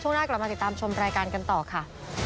ช่วงหน้าก็เรามาติดตามชมรายการกันต่อค่ะ